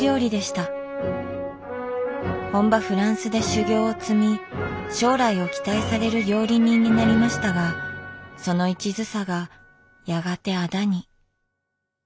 本場フランスで修業を積み将来を期待される料理人になりましたがそのいちずさがやがてあだに。